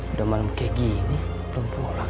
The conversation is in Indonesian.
udah malem kayak gini belum pulang